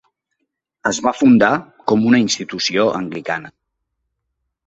Es va fundar com una institució anglicana.